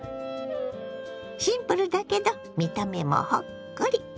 シンプルだけど見た目もほっこり。